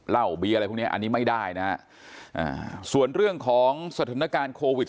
เหล้าเบียร์อะไรพวกนี้อันนี้ไม่ได้นะฮะส่วนเรื่องของสถานการณ์โควิด๑